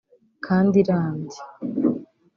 kandi irambye